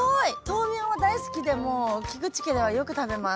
豆苗も大好きでもう菊地家ではよく食べます。